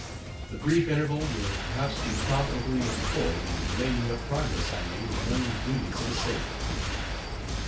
The brief interval will perhaps be profitably employed in relating what progress I made in learning the duties of a sailor.